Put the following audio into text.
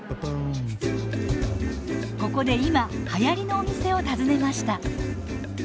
ここで今はやりのお店を訪ねました。